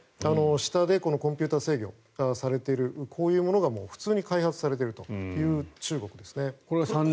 下でコンピューター制御されているこういうものが普通に開発されているという中国ですね。